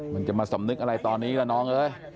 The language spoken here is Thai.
มันจะมาสำนึกอะไรตอนนี้ล่ะน้องเอ้ย